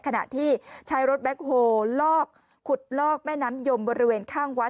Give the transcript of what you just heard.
ขณะที่ใช้รถแบ็คโฮลอกขุดลอกแม่น้ำยมบริเวณข้างวัด